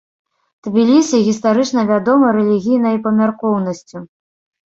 Тбілісі гістарычна вядомы рэлігійнай памяркоўнасцю.